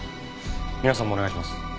皆さんもお願いします。